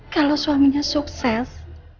kalau suaminya sukses